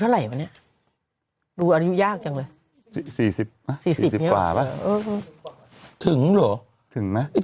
เท่าไหร่วะเนี่ยดูอายุยากจังเลย๔๐กว่าป่ะถึงเหรอถึงไหม